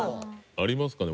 ありますかね？